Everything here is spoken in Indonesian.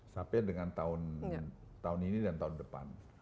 sampai dengan tahun ini dan tahun depan